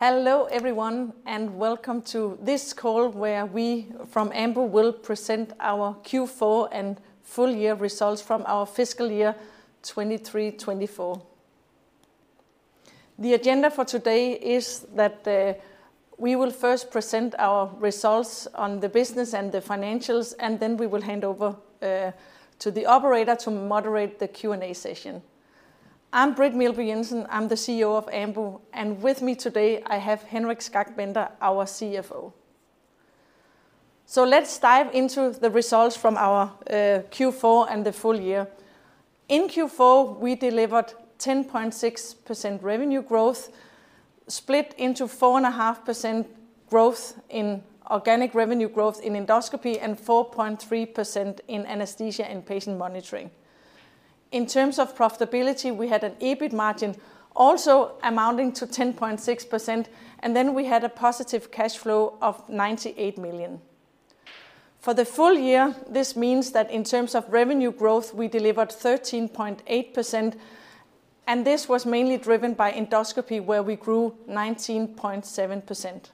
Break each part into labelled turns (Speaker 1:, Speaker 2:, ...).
Speaker 1: Hello everyone, and welcome to this call where we, from Ambu, will present our Q4 and Full-Year Results from our Fiscal Year 2023-2024. The agenda for today is that we will first present our results on the business and the financials, and then we will hand over to the operator to moderate the Q&A session. I'm Britt Meelby Jensen, I'm the CEO of Ambu, and with me today I have Henrik Skak Bender, our CFO, so let's dive into the results from our Q4 and the full-year. In Q4 we delivered 10.6% revenue growth, split into 4.5% organic revenue growth in endoscopy and 4.3% in Anesthesia and Patient Monitoring. In terms of profitability, we had an EBIT margin also amounting to 10.6%, and then we had a positive cash flow of 98 million. For the full-year, this means that in terms of revenue growth, we delivered 13.8%, and this was mainly driven by endoscopy, where we grew 19.7%.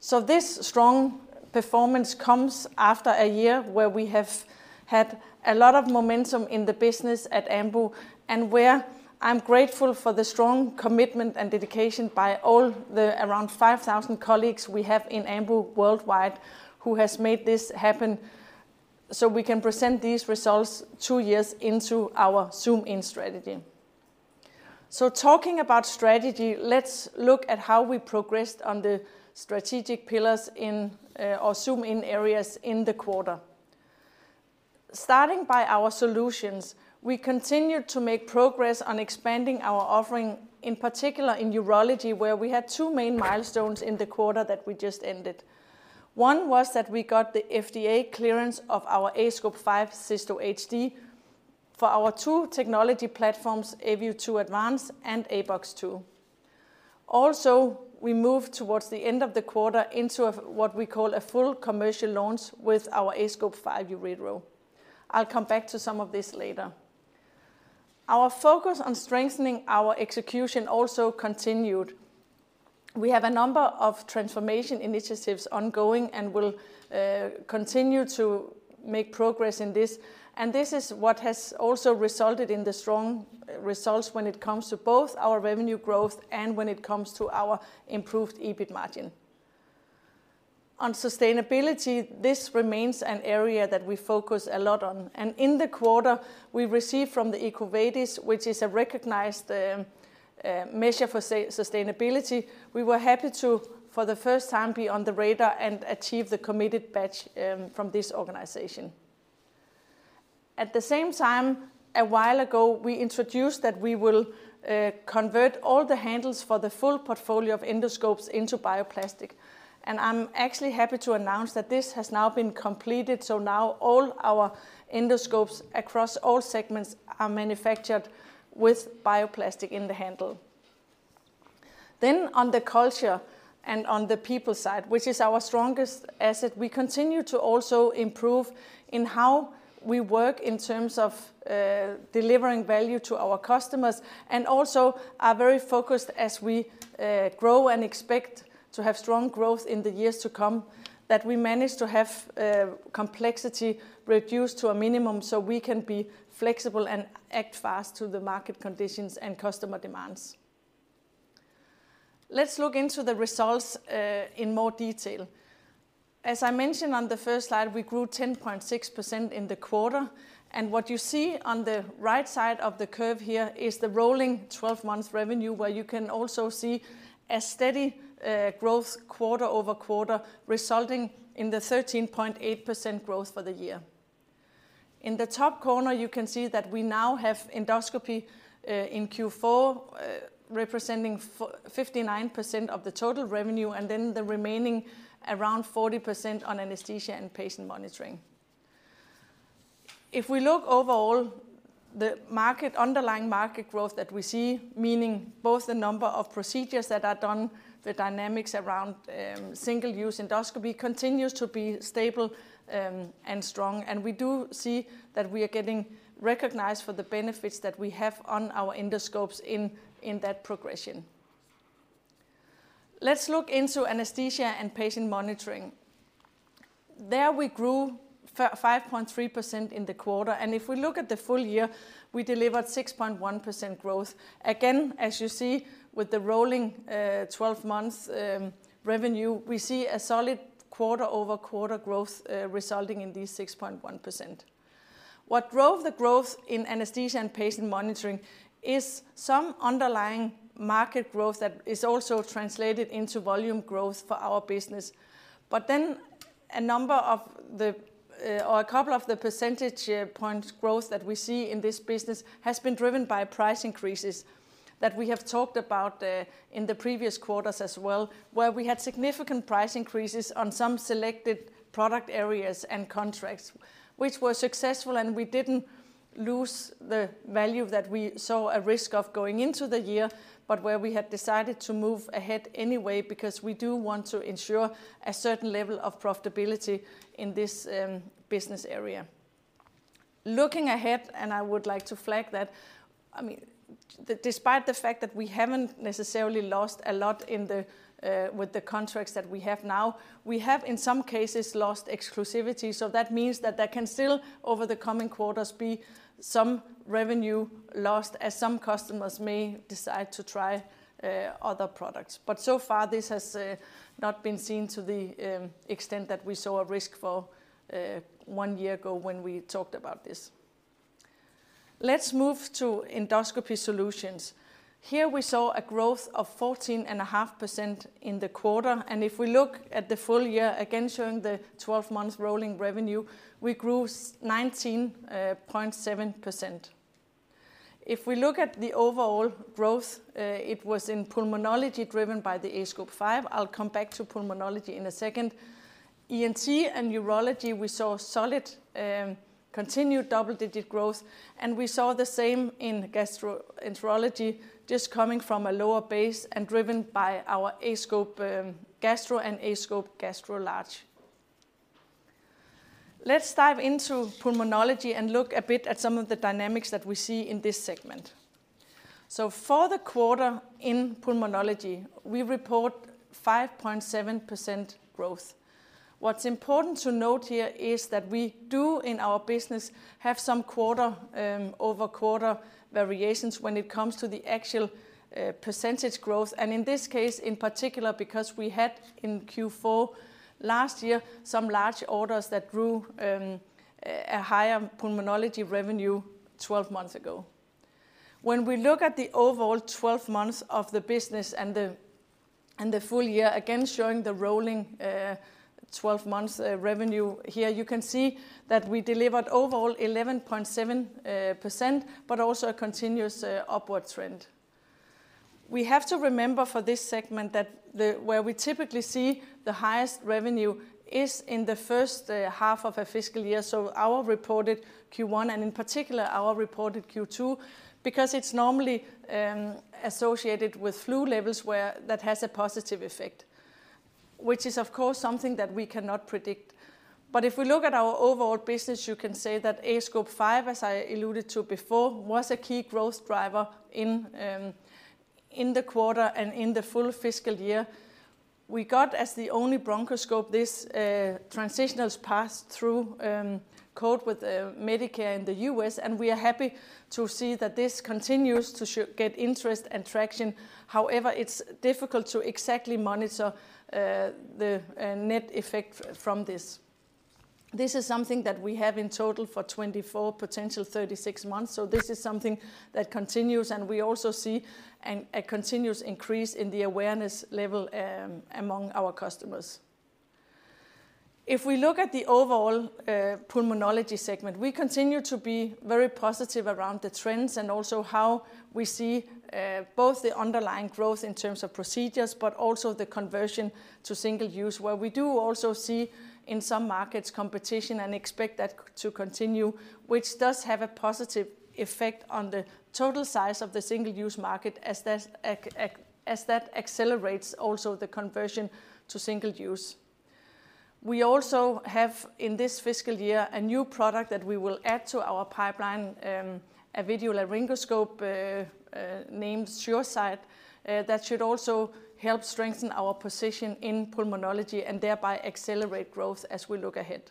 Speaker 1: So this strong performance comes after a year where we have had a lot of momentum in the business at Ambu, and where I'm grateful for the strong commitment and dedication by all the around 5,000 colleagues we have in Ambu worldwide who have made this happen so we can present these results two years into our Zoom In strategy. So talking about strategy, let's look at how we progressed on the strategic pillars in our Zoom In areas in the quarter. Starting by our solutions, we continued to make progress on expanding our offering, in particular in urology, where we had two main milestones in the quarter that we just ended. One was that we got the FDA clearance of our aScope 5 Cysto HD for our two technology platforms, aView 2 Advance and aBox 2. Also, we moved towards the end of the quarter into what we call a full commercial launch with our aScope 5 Uretero. I'll come back to some of this later. Our focus on strengthening our execution also continued. We have a number of transformation initiatives ongoing and will continue to make progress in this, and this is what has also resulted in the strong results when it comes to both our revenue growth and when it comes to our improved EBIT margin. On sustainability, this remains an area that we focus a lot on, and in the quarter we received from the EcoVadis, which is a recognized measure for sustainability. We were happy to, for the first time, be on the radar and achieve the committed badge from this organization. At the same time, a while ago, we introduced that we will convert all the handles for the full portfolio of endoscopes into bioplastic, and I'm actually happy to announce that this has now been completed, so now all our endoscopes across all segments are manufactured with bioplastic in the handle. Then on the culture and on the people side, which is our strongest asset, we continue to also improve in how we work in terms of delivering value to our customers, and also are very focused as we grow and expect to have strong growth in the years to come, that we manage to have complexity reduced to a minimum so we can be flexible and act fast to the market conditions and customer demands. Let's look into the results in more detail. As I mentioned on the first slide, we grew 10.6% in the quarter, and what you see on the right side of the curve here is the rolling 12-month revenue, where you can also see a steady growth quarter over quarter, resulting in the 13.8% growth for the year. In the top corner, you can see that we now have endoscopy in Q4 representing 59% of the total revenue, and then the remaining around 40% on Anesthesia and Patient Monitoring. If we look overall, the underlying market growth that we see, meaning both the number of procedures that are done, the dynamics around single-use endoscopy, continues to be stable and strong, and we do see that we are getting recognized for the benefits that we have on our endoscopes in that progression. Let's look into Anesthesia and Patient Monitoring. There we grew 5.3% in the quarter, and if we look at the full-year, we delivered 6.1% growth. Again, as you see with the rolling 12-month revenue, we see a solid quarter-over-quarter growth resulting in these 6.1%. What drove the growth in Anesthesia and Patient Monitoring is some underlying market growth that is also translated into volume growth for our business, but then a number of the, or a couple of the percentage points growth that we see in this business has been driven by price increases that we have talked about in the previous quarters as well, where we had significant price increases on some selected product areas and contracts, which were successful, and we didn't lose the value that we saw a risk of going into the year. But where we had decided to move ahead anyway because we do want to ensure a certain level of profitability in this business area. Looking ahead, and I would like to flag that, I mean, despite the fact that we haven't necessarily lost a lot with the contracts that we have now, we have in some cases lost exclusivity, so that means that there can still over the coming quarters be some revenue lost as some customers may decide to try other products, but so far this has not been seen to the extent that we saw a risk for one year ago when we talked about this. Let's move to Endoscopy Solutions. Here we saw a growth of 14.5% in the quarter, and if we look at the full-year, again showing the 12-month rolling revenue, we grew 19.7%. If we look at the overall growth, it was in pulmonology driven by the aScope 5. I'll come back to pulmonology in a second. ENT and urology, we saw solid continued double-digit growth, and we saw the same in gastroenterology, just coming from a lower base and driven by our aScope Gastro and aScope Gastro Large. Let's dive into pulmonology and look a bit at some of the dynamics that we see in this segment. So for the quarter in pulmonology, we report 5.7% growth. What's important to note here is that we do in our business have some quarter-over-quarter variations when it comes to the actual percentage growth, and in this case in particular because we had in Q4 last year some large orders that grew a higher pulmonology revenue 12 months ago. When we look at the overall 12 months of the business and the full-year, again showing the rolling 12-month revenue here, you can see that we delivered overall 11.7%, but also a continuous upward trend. We have to remember for this segment that where we typically see the highest revenue is in the first half of a fiscal year, so our reported Q1 and in particular our reported Q2, because it's normally associated with flu levels where that has a positive effect, which is of course something that we cannot predict. But if we look at our overall business, you can say that aScope 5, as I alluded to before, was a key growth driver in the quarter and in the full fiscal year. We got as the only bronchoscope this transitional pass-through code with Medicare in the U.S., and we are happy to see that this continues to get interest and traction. However, it's difficult to exactly monitor the net effect from this. This is something that we have in total for 24 potential 36 months, so this is something that continues, and we also see a continuous increase in the awareness level among our customers. If we look at the overall pulmonology segment, we continue to be very positive around the trends and also how we see both the underlying growth in terms of procedures, but also the conversion to single-use, where we do also see in some markets competition and expect that to continue, which does have a positive effect on the total size of the single-use market as that accelerates also the conversion to single-use. We also have in this fiscal year a new product that we will add to our pipeline, a video laryngoscope named SureSight, that should also help strengthen our position in pulmonology and thereby accelerate growth as we look ahead.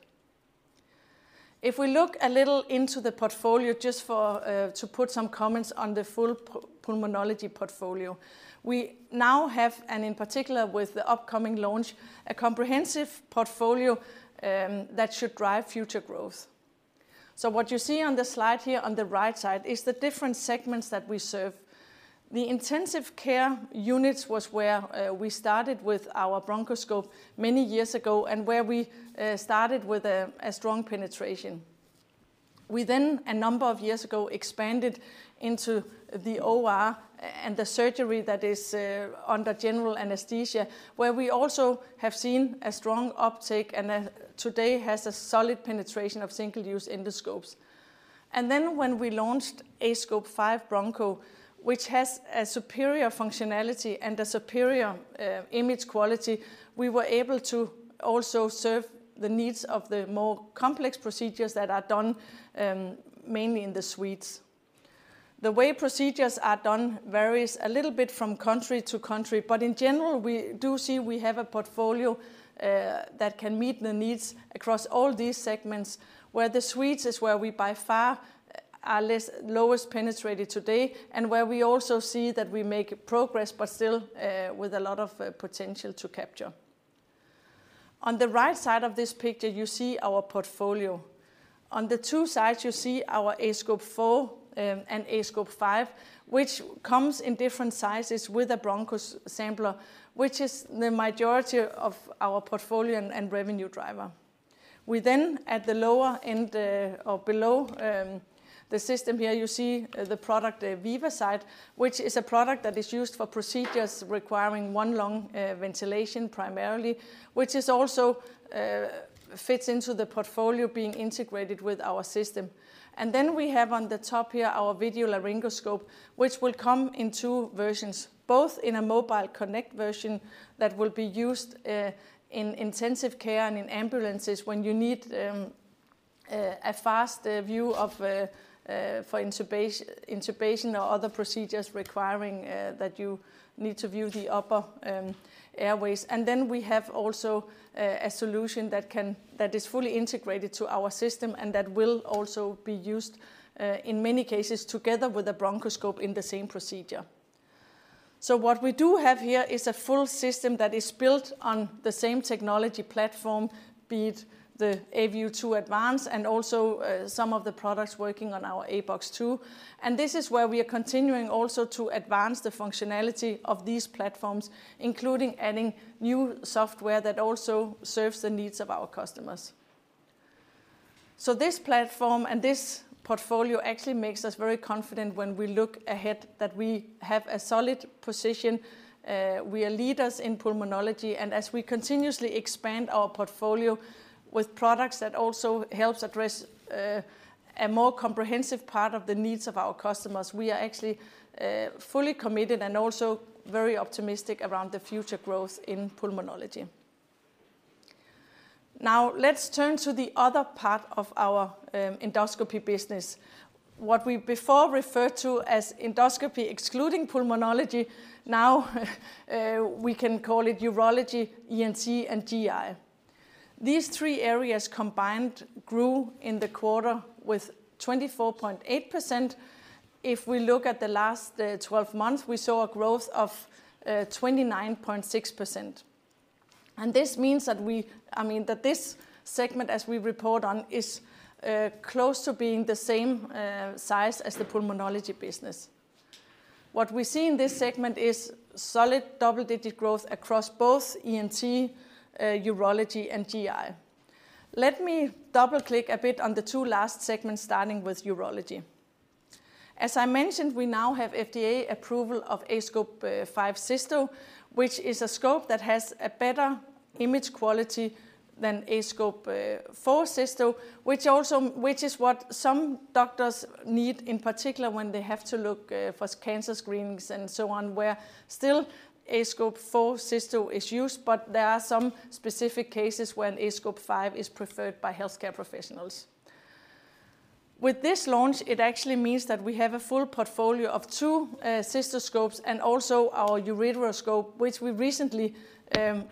Speaker 1: If we look a little into the portfolio, just to put some comments on the full pulmonology portfolio, we now have, and in particular with the upcoming launch, a comprehensive portfolio that should drive future growth. So what you see on the slide here on the right side is the different segments that we serve. The intensive care units was where we started with our bronchoscope many years ago and where we started with a strong penetration. We then, a number of years ago, expanded into the OR and the surgery that is under general anesthesia, where we also have seen a strong uptake and today has a solid penetration of single-use endoscopes. And then when we launched aScope 5 Broncho, which has a superior functionality and a superior image quality, we were able to also serve the needs of the more complex procedures that are done mainly in the suites. The way procedures are done varies a little bit from country to country, but in general we do see we have a portfolio that can meet the needs across all these segments, where the suites is where we by far are lowest penetrated today and where we also see that we make progress, but still with a lot of potential to capture. On the right side of this picture, you see our portfolio. On the two sides, you see our aScope 4 and aScope 5, which comes in different sizes with a Broncho Sampler, which is the majority of our portfolio and revenue driver. We then, at the lower end or below the system here, you see the product VivaSight, which is a product that is used for procedures requiring one lung ventilation primarily, which also fits into the portfolio being integrated with our system. And then we have on the top here our video laryngoscope, which will come in two versions, both in a mobile connect version that will be used in intensive care and in ambulances when you need a fast view for intubation or other procedures requiring that you need to view the upper airways. And then we have also a solution that is fully integrated to our system and that will also be used in many cases together with a bronchoscope in the same procedure. So what we do have here is a full system that is built on the same technology platform, be it the aView 2 Advance and also some of the products working on our aBox 2, and this is where we are continuing also to advance the functionality of these platforms, including adding new software that also serves the needs of our customers. So this platform and this portfolio actually makes us very confident when we look ahead that we have a solid position. We are leaders in pulmonology, and as we continuously expand our portfolio with products that also help address a more comprehensive part of the needs of our customers, we are actually fully committed and also very optimistic around the future growth in pulmonology. Now let's turn to the other part of our endoscopy business. What we before referred to as endoscopy excluding pulmonology, now we can call it urology, ENT, and GI. These three areas combined grew in the quarter with 24.8%. If we look at the last 12 months, we saw a growth of 29.6%. And this means that we, I mean that this segment as we report on is close to being the same size as the pulmonology business. What we see in this segment is solid double-digit growth across both ENT, urology, and GI. Let me double-click a bit on the two last segments starting with urology. As I mentioned, we now have FDA approval of aScope 5 Cysto, which is a scope that has a better image quality than aScope 4 Cysto, which is what some doctors need in particular when they have to look for cancer screenings and so on, where still aScope 4 Cysto is used, but there are some specific cases where aScope 5 is preferred by healthcare professionals. With this launch, it actually means that we have a full portfolio of two cystoscopes and also our ureteroscope, which we recently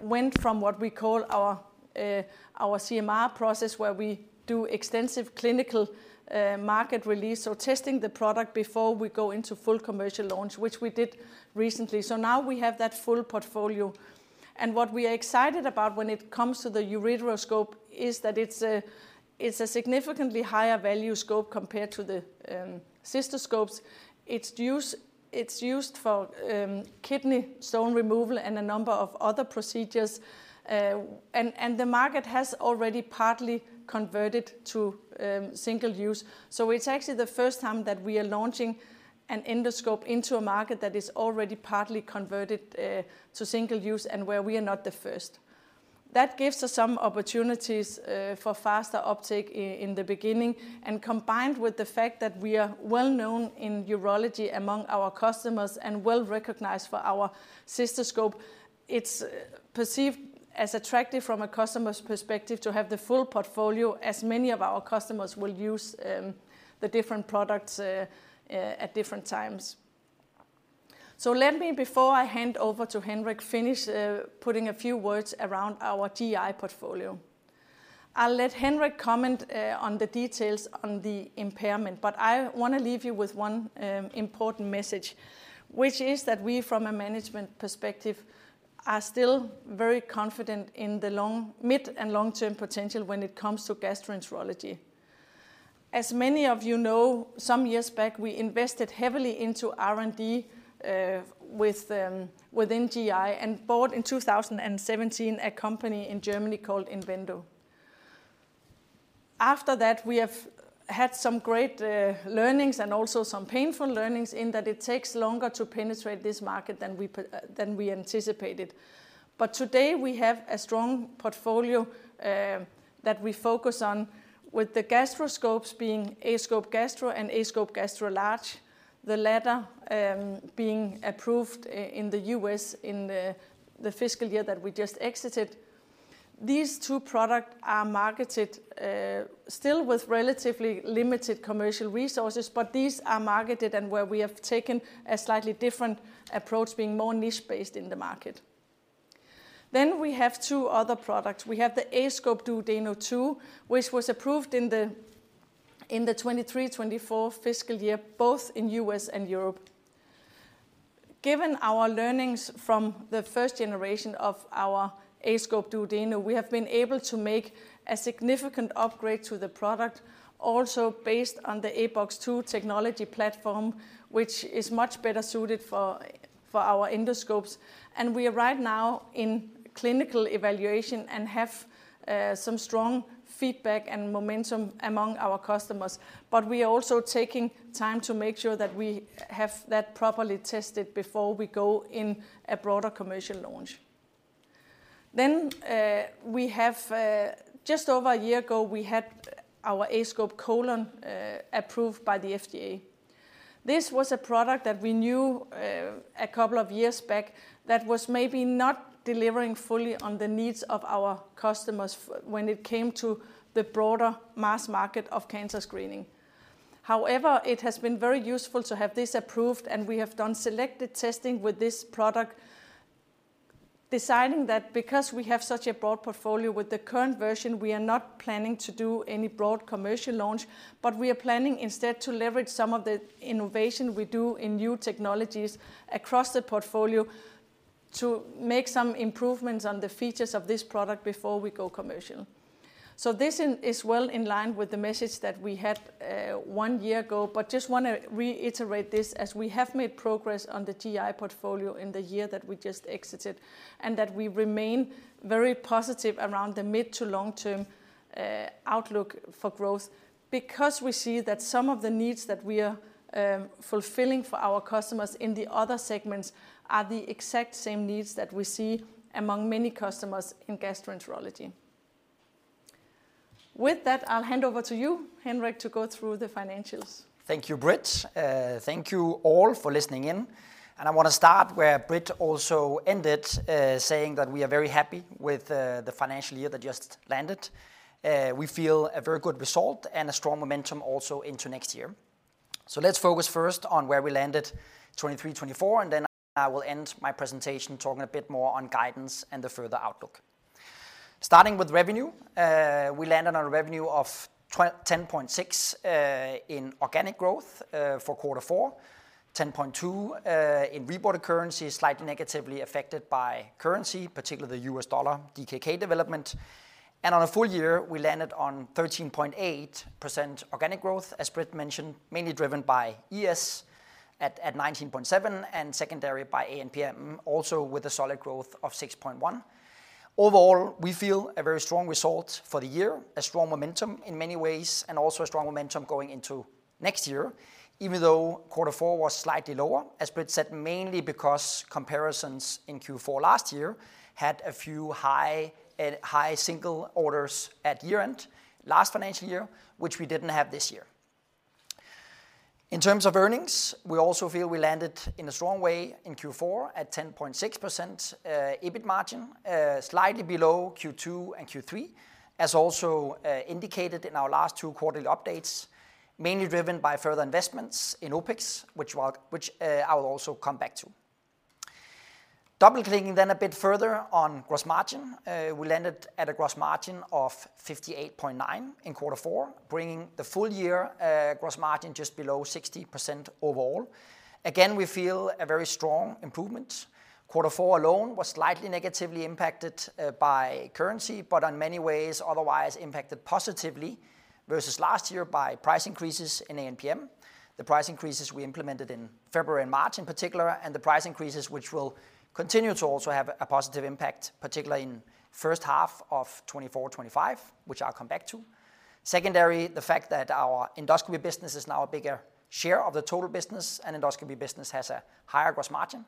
Speaker 1: went from what we call our CMR process, where we do extensive clinical market release. So testing the product before we go into full commercial launch, which we did recently. So now we have that full portfolio, and what we are excited about when it comes to the ureteroscope is that it's a significantly higher value scope compared to the cystoscopes. It's used for kidney stone removal and a number of other procedures, and the market has already partly converted to single-use. So it's actually the first time that we are launching an endoscope into a market that is already partly converted to single-use and where we are not the first. That gives us some opportunities for faster uptake in the beginning, and combined with the fact that we are well-known in urology among our customers and well recognized for our cystoscope, it's perceived as attractive from a customer's perspective to have the full portfolio as many of our customers will use the different products at different times. So let me, before I hand over to Henrik, finish putting a few words around our GI portfolio. I'll let Henrik comment on the details on the impairment. But I want to leave you with one important message, which is that we, from a management perspective, are still very confident in the mid and long-term potential when it comes to gastroenterology. As many of you know, some years back, we invested heavily into R&D within GI and bought in 2017 a company in Germany called Invendo. After that, we have had some great learnings and also some painful learnings in that it takes longer to penetrate this market than we anticipated. But today, we have a strong portfolio that we focus on, with the gastroscopes being aScope Gastro and aScope Gastro Large, the latter being approved in the U.S. in the fiscal year that we just exited. These two products are marketed still with relatively limited commercial resources, but these are marketed and where we have taken a slightly different approach, being more niche-based in the market. We have two other products. We have the aScope Duodeno 2, which was approved in the 2023-2024 fiscal year, both in U.S. and Europe. Given our learnings from the first generation of our aScope Duodeno, we have been able to make a significant upgrade to the product, also based on the aBox 2 technology platform, which is much better suited for our endoscopes. We are right now in clinical evaluation and have some strong feedback and momentum among our customers, but we are also taking time to make sure that we have that properly tested before we go in a broader commercial launch. Then we have, just over a year ago, we had our aScope Colon approved by the FDA. This was a product that we knew a couple of years back that was maybe not delivering fully on the needs of our customers when it came to the broader mass market of cancer screening. However, it has been very useful to have this approved, and we have done selected testing with this product, deciding that because we have such a broad portfolio with the current version, we are not planning to do any broad commercial launch, but we are planning instead to leverage some of the innovation we do in new technologies across the portfolio to make some improvements on the features of this product before we go commercial. So this is well in line with the message that we had one year ago, but just want to reiterate this as we have made progress on the GI portfolio in the year that we just exited and that we remain very positive around the mid to long-term outlook for growth because we see that some of the needs that we are fulfilling for our customers in the other segments are the exact same needs that we see among many customers in gastroenterology. With that, I'll hand over to you, Henrik, to go through the financials.
Speaker 2: Thank you, Britt. Thank you all for listening in. And I want to start where Britt also ended saying that we are very happy with the financial year that just landed. We feel a very good result and a strong momentum also into next year. Let's focus first on where we landed 2023-2024, and then I will end my presentation talking a bit more on guidance and the further outlook. Starting with revenue, we landed on a revenue of 10.6% organic growth for quarter four, 10.2% in reported currency, slightly negatively affected by currency, particularly the U.S. dollar DKK development. And on a full year, we landed on 13.8% organic growth, as Britt mentioned, mainly driven by ES at 19.7% and secondary by ANPM, also with a solid growth of 6.1%. Overall, we feel a very strong result for the year, a strong momentum in many ways, and also a strong momentum going into next year, even though quarter four was slightly lower, as Britt said, mainly because comparisons in Q4 last year had a few high single orders at year-end last financial year, which we didn't have this year. In terms of earnings, we also feel we landed in a strong way in Q4 at 10.6% EBIT margin, slightly below Q2 and Q3, as also indicated in our last two quarterly updates, mainly driven by further investments in OPEX, which I will also come back to. Double-clicking then a bit further on gross margin, we landed at a gross margin of 58.9% in quarter four, bringing the full year gross margin just below 60% overall. Again, we feel a very strong improvement. Quarter four alone was slightly negatively impacted by currency, but in many ways otherwise impacted positively versus last year by price increases in ANPM, the price increases we implemented in February and March in particular, and the price increases which will continue to also have a positive impact, particularly in the first half of 2024-2025, which I'll come back to. Secondly, the fact that our endoscopy business is now a bigger share of the total business and endoscopy business has a higher gross margin.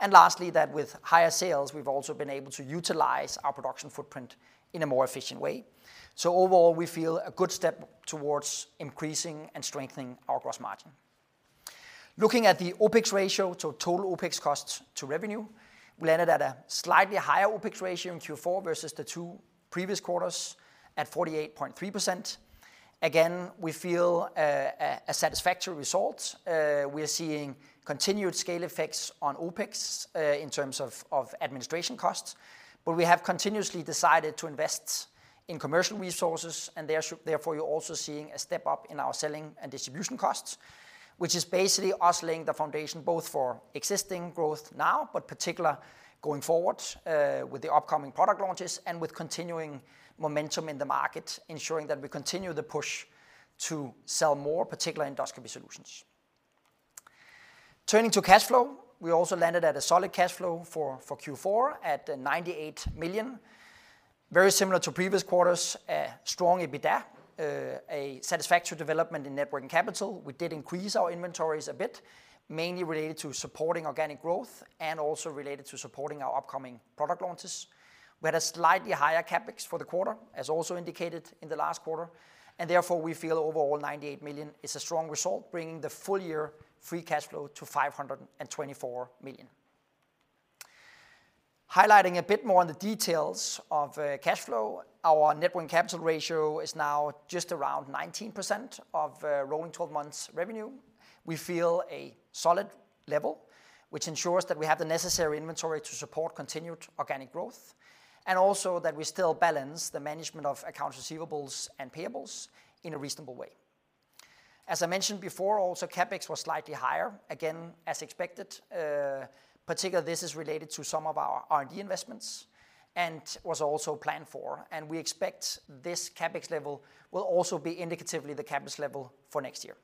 Speaker 2: And lastly, that with higher sales, we've also been able to utilize our production footprint in a more efficient way. So overall, we feel a good step towards increasing and strengthening our gross margin. Looking at the OPEX ratio, so total OPEX costs to revenue, we landed at a slightly higher OPEX ratio in Q4 versus the two previous quarters at 48.3%. Again, we feel a satisfactory result. We are seeing continued scale effects on OPEX in terms of administration costs, but we have continuously decided to invest in commercial resources, and therefore you're also seeing a step up in our selling and distribution costs, which is basically us laying the foundation both for existing growth now, but particularly going forward with the upcoming product launches and with continuing momentum in the market, ensuring that we continue the push to sell more, particularly Endoscopy Solutions. Turning to cash flow, we also landed at a solid cash flow for Q4 at 98 million. Very similar to previous quarters, a strong EBITDA, a satisfactory development in net working capital. We did increase our inventories a bit, mainly related to supporting organic growth and also related to supporting our upcoming product launches. We had a slightly higher CapEx for the quarter, as also indicated in the last quarter, and therefore we feel overall 98 million is a strong result, bringing the full year free cash flow to 524 million. Highlighting a bit more on the details of cash flow, our net working capital ratio is now just around 19% of rolling 12 months revenue. We feel a solid level, which ensures that we have the necessary inventory to support continued organic growth and also that we still balance the management of accounts receivable and payables in a reasonable way. As I mentioned before, also CapEx was slightly higher, again as expected, particularly this is related to some of our R&D investments and was also planned for, and we expect this CapEx level will also be indicatively the CapEx level for next year.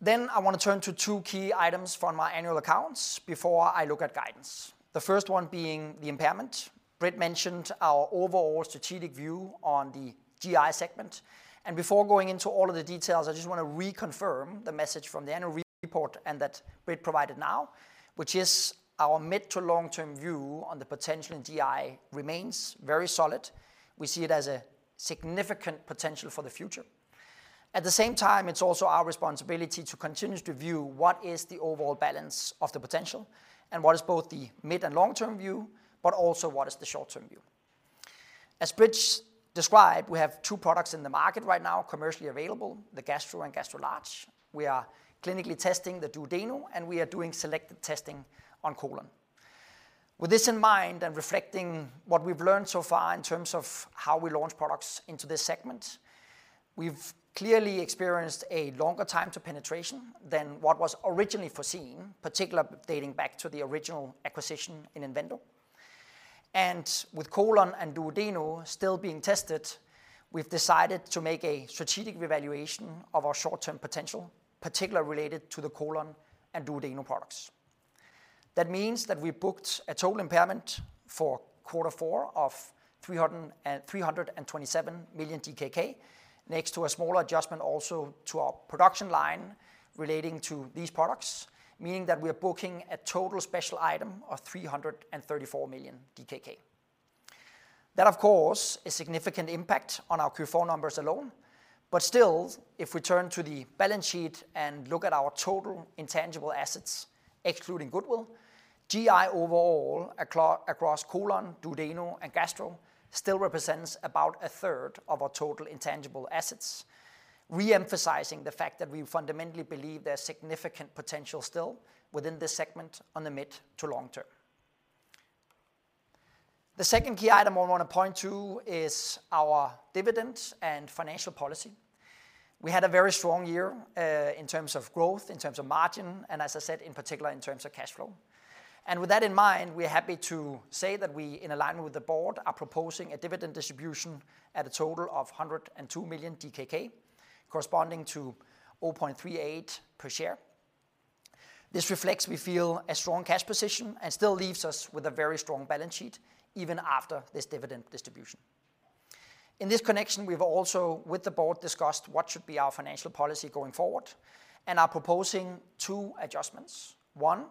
Speaker 2: Then I want to turn to two key items from our annual accounts before I look at guidance. The first one being the impairment. Britt mentioned our overall strategic view on the GI segment. And before going into all of the details, I just want to reconfirm the message from the annual report and that Britt provided now, which is our mid to long-term view on the potential in GI remains very solid. We see it as a significant potential for the future. At the same time, it's also our responsibility to continue to view what is the overall balance of the potential and what is both the mid and long-term view, but also what is the short-term view. As Britt described, we have two products in the market right now commercially available, the Gastro and Gastro Large. We are clinically testing the Duodeno, and we are doing selected testing on Colon. With this in mind and reflecting what we've learned so far in terms of how we launch products into this segment, we've clearly experienced a longer time to penetration than what was originally foreseen, particularly dating back to the original acquisition in Invendo. And with Colon and Duodeno still being tested, we've decided to make a strategic revaluation of our short-term potential, particularly related to the Colon and Duodeno products. That means that we booked a total impairment for quarter four of 327 million DKK, next to a smaller adjustment also to our production line relating to these products, meaning that we are booking a total special item of 334 million DKK. That, of course, is a significant impact on our Q4 numbers alone, but still, if we turn to the balance sheet and look at our total intangible assets, excluding goodwill, GI overall across Colon, Duodeno, and Gastro still represents about a third of our total intangible assets, reemphasizing the fact that we fundamentally believe there's significant potential still within this segment on the mid- to long-term. The second key item I want to point to is our dividends and financial policy. We had a very strong year in terms of growth, in terms of margin, and as I said, in particular in terms of cash flow. And with that in mind, we are happy to say that we, in alignment with the board, are proposing a dividend distribution at a total of 102 million DKK, corresponding to 0.38 per share. This reflects, we feel, a strong cash position and still leaves us with a very strong balance sheet even after this dividend distribution. In this connection, we've also, with the board, discussed what should be our financial policy going forward and are proposing two adjustments. One,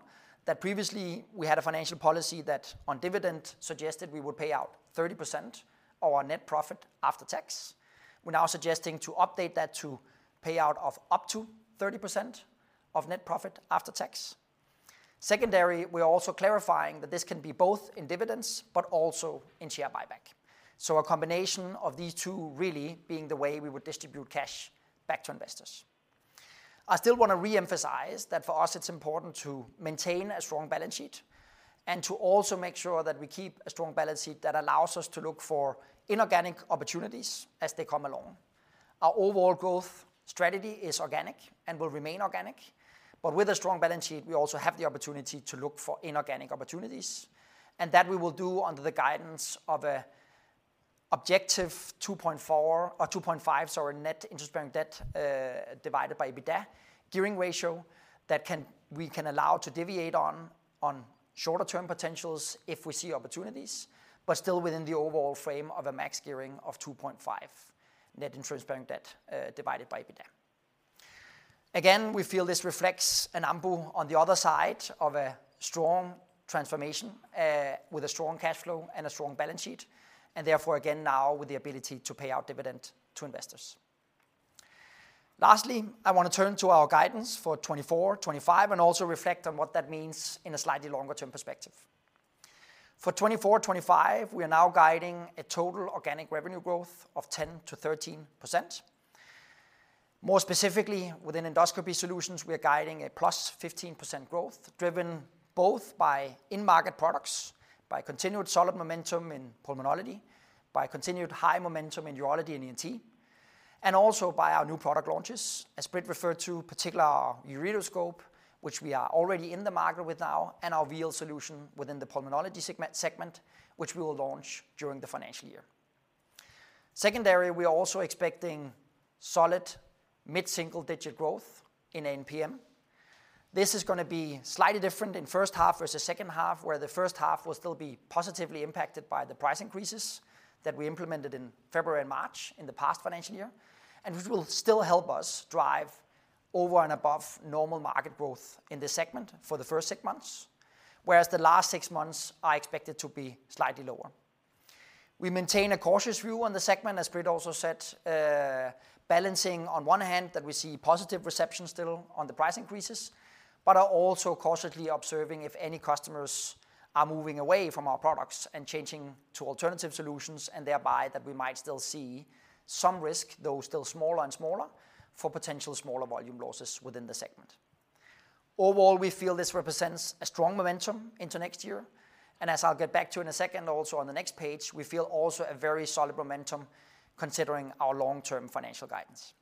Speaker 2: that previously we had a financial policy that, on dividends, suggested we would pay out 30% of our net profit after tax. We're now suggesting to update that to pay out up to 30% of net profit after tax. Secondly, we're also clarifying that this can be both in dividends, but also in share buyback. So a combination of these two really being the way we would distribute cash back to investors. I still want to reemphasize that for us, it's important to maintain a strong balance sheet and to also make sure that we keep a strong balance sheet that allows us to look for inorganic opportunities as they come along. Our overall growth strategy is organic and will remain organic, but with a strong balance sheet, we also have the opportunity to look for inorganic opportunities, and that we will do under the guidance of an objective 2.5, net interest bearing debt divided by EBITDA gearing ratio that we can allow to deviate on shorter-term potentials if we see opportunities, but still within the overall frame of a max gearing of 2.5 net interest bearing debt divided by EBITDA. Again, we feel this reflects an Ambu on the other side of a strong transformation with a strong cash flow and a strong balance sheet, and therefore again now with the ability to pay out dividend to investors. Lastly, I want to turn to our guidance for 2024-2025 and also reflect on what that means in a slightly longer-term perspective. For 2024-2025, we are now guiding a total organic revenue growth of 10%-13%. More specifically, within Endoscopy Solutions, we are guiding a +15% growth driven both by in-market products, by continued solid momentum in pulmonology, by continued high momentum in urology and ENT, and also by our new product launches, as Britt referred to, particularly our ureteroscope, which we are already in the market with now, and our VL solution within the pulmonology segment, which we will launch during the financial year. Secondly, we are also expecting solid mid-single-digit growth in ANPM. This is going to be slightly different in first half versus second half, where the first half will still be positively impacted by the price increases that we implemented in February and March in the past financial year, and which will still help us drive over and above normal market growth in this segment for the first six months, whereas the last six months are expected to be slightly lower. We maintain a cautious view on the segment, as Britt also said, balancing on one hand that we see positive reception still on the price increases, but are also cautiously observing if any customers are moving away from our products and changing to alternative solutions, and thereby that we might still see some risk, though still smaller and smaller, for potential smaller volume losses within the segment. Overall, we feel this represents a strong momentum into next year, and as I'll get back to in a second, also on the next page, we feel also a very solid momentum considering our long-term financial guidance.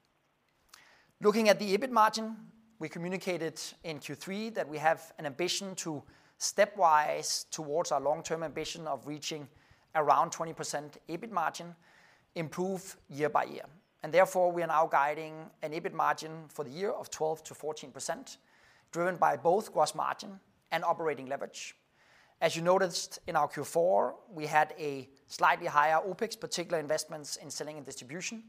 Speaker 2: Looking at the EBIT margin, we communicated in Q3 that we have an ambition to stepwise towards our long-term ambition of reaching around 20% EBIT margin, improve year-by-year, and therefore, we are now guiding an EBIT margin for the year of 12%-14%, driven by both gross margin and operating leverage. As you noticed in our Q4, we had a slightly higher OPEX, particularly investments in selling and distribution,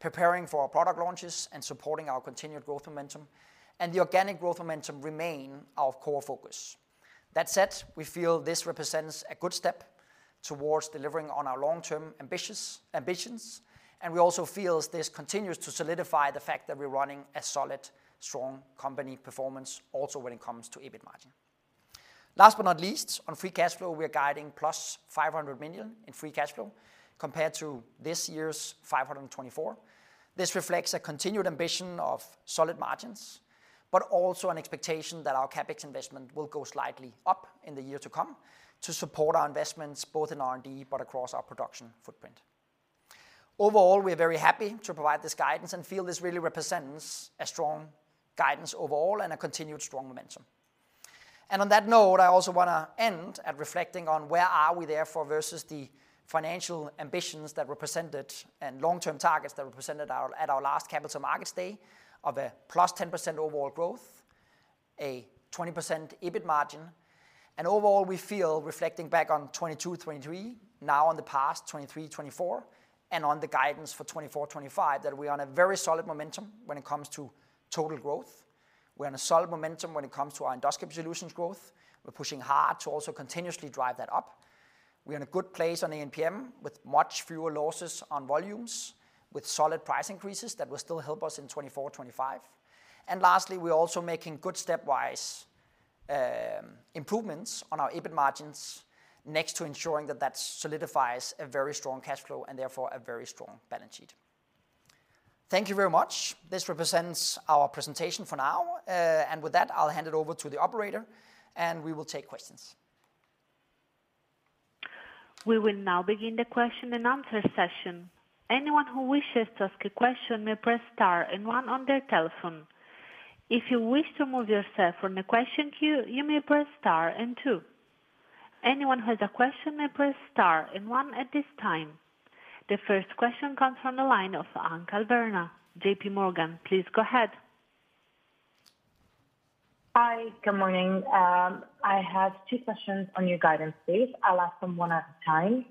Speaker 2: preparing for our product launches and supporting our continued growth momentum, and the organic growth momentum remain our core focus. That said, we feel this represents a good step towards delivering on our long-term ambitions, and we also feel this continues to solidify the fact that we're running a solid, strong company performance also when it comes to EBIT margin. Last but not least, on free cash flow, we are guiding plus 500 million in free cash flow compared to this year's 524. This reflects a continued ambition of solid margins, but also an expectation that our CapEx investment will go slightly up in the year to come to support our investments both in R&D but across our production footprint. Overall, we are very happy to provide this guidance and feel this really represents a strong guidance overall and a continued strong momentum. And on that note, I also want to end at reflecting on where are we therefore versus the financial ambitions that represented and long-term targets that represented at our last Capital Markets Day of a +10% overall growth, a 20% EBIT margin. And overall, we feel, reflecting back on 2022-2023, now on the past 2023-2024, and on the guidance for 2024-2025 that we are on a very solid momentum when it comes to total growth. We're on a solid momentum when it comes to our Endoscopy Solutions growth. We're pushing hard to also continuously drive that up. We're in a good place on ANPM with much fewer losses on volumes, with solid price increases that will still help us in 2024-2025. And lastly, we're also making good stepwise improvements on our EBIT margins next to ensuring that solidifies a very strong cash flow and therefore a very strong balance sheet. Thank you very much. This represents our presentation for now, and with that, I'll hand it over to the operator, and we will take questions.
Speaker 3: We will now begin the question-and-answer session. Anyone who wishes to ask a question may press star and one on their telephone. If you wish to move yourself from the question queue, you may press star and two. Anyone who has a question may press star and one at this time. The first question comes from the line of Anchal Verma, JPMorgan. Please go ahead.
Speaker 4: Hi, good morning. I have two questions on your guidance, please. I'll ask them one at a time.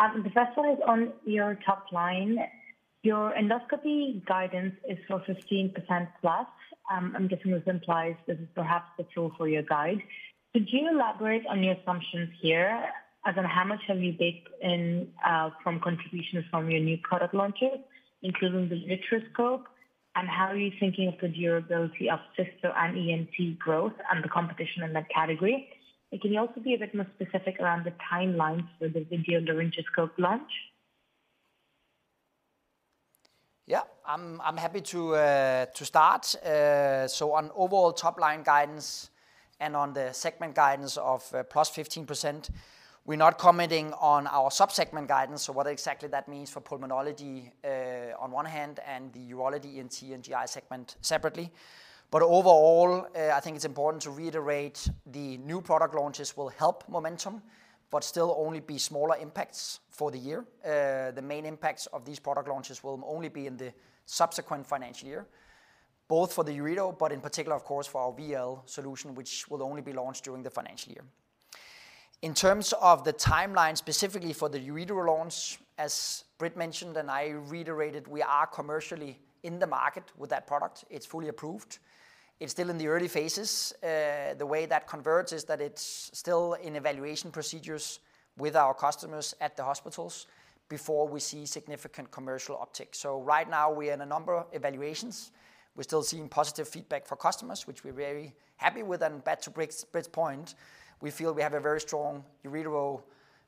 Speaker 4: The first one is on your top line. Your endoscopy guidance is for 15%+. I'm guessing this implies this is perhaps too low for your guidance. Could you elaborate on your assumptions here as to how much have you baked in from contributions from your new product launches, including the ureteroscope, and how are you thinking of the durability of cysto and ENT growth and the competition in that category? And can you also be a bit more specific around the timeline for the video laryngoscope launch?
Speaker 2: Yeah, I'm happy to start. So on overall top line guidance and on the segment guidance of +15%, we're not commenting on our subsegment guidance, so what exactly that means for pulmonology on one hand and the urology, ENT, and GI segment separately. But overall, I think it's important to reiterate the new product launches will help momentum, but still only be smaller impacts for the year. The main impacts of these product launches will only be in the subsequent financial year, both for the ureter, but in particular, of course, for our VL solution, which will only be launched during the financial year. In terms of the timeline specifically for the ureter launch, as Britt mentioned and I reiterated, we are commercially in the market with that product. It's fully approved. It's still in the early phases. The way that converges is that it's still in evaluation procedures with our customers at the hospitals before we see significant commercial uptake. So right now, we are in a number of evaluations. We're still seeing positive feedback for customers, which we're very happy with. And back to Britt's point, we feel we have a very strong ureteral